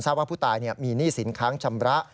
ว่าผู้ตายมีหนี้สินค้าชำระ